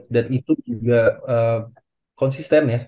dan itu juga konsisten ya